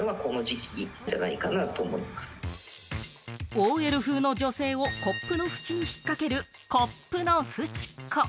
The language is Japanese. ＯＬ風の女性をコップのふちに引っかけるコップのフチ子。